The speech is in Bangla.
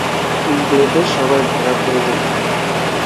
কিন্তু ওদের সবাই ধরা পড়ে যায়।